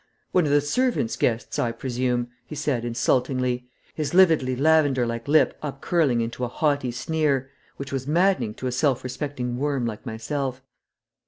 "One of the servant's guests, I presume?" he said, insultingly, his lividly lavender like lip upcurling into a haughty sneer, which was maddening to a self respecting worm like myself.